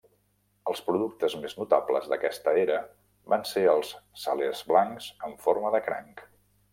Els productes més notables d'aquesta era van ser els salers blancs en forma de cranc.